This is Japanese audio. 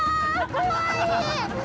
怖い！